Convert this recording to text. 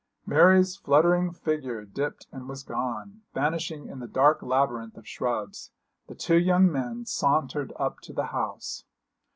Mary's fluttering figure dipped and was gone, vanishing in the dark labyrinth of shrubs. The two young men sauntered up to the house.